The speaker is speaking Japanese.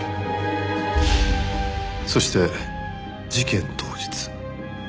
そして事件当日。